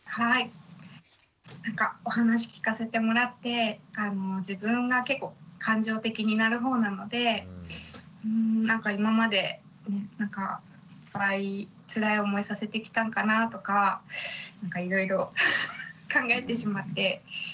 お話聞かせてもらって自分が結構感情的になるほうなので今までなんかいっぱいつらい思いさせてきたんかなとかなんかいろいろ考えてしまって。